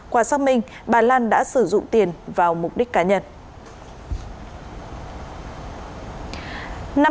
qua xác minh bà lan đã sử dụng tiền vào mục đích cá nhân